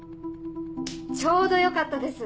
ちょうどよかったです